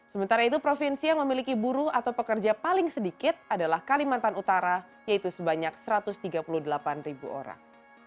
sementara itu provinsi yang memiliki buruh atau pekerja paling sedikit adalah kalimantan utara yaitu sebanyak satu ratus tiga puluh delapan orang